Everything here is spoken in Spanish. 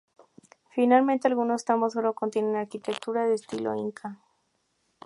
Finalmente, algunos tambos solo contienen arquitectura de estilo inca.